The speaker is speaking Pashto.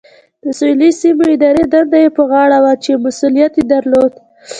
د سویلي سیمو اداري دنده یې په غاړه وه چې مسؤلیت یې درلود.